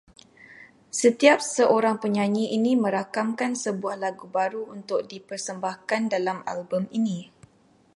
Setiap seorang penyanyi ini merakamkan sebuah lagu baru untuk di persembahkan dalam album ini